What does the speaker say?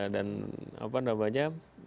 dan apa namanya